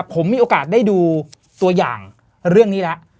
ผมมีโอกาสได้ดูตัวอย่างเรื่องนี้แล้ว